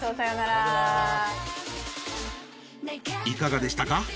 いかがでしたか？